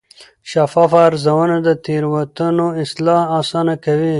شفافه ارزونه د تېروتنو اصلاح اسانه کوي.